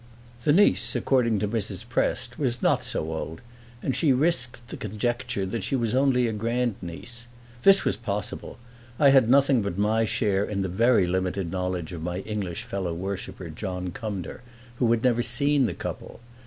The niece, according to Mrs. Prest, was not so old, and she risked the conjecture that she was only a grandniece. This was possible; I had nothing but my share in the very limited knowledge of my English fellow worshipper John Cumnor, who had never seen the couple.